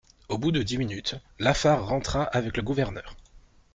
Au bout de dix minutes, Lafare rentra avec le gouverneur.